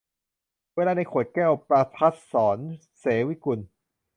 เวลาในขวดแก้ว - ประภัสสร เสวิกุล